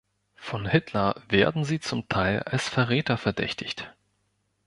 Von Hitler werden sie zum Teil als Verräter verdächtigt.